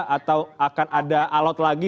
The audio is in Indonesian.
atau akan ada alat lagi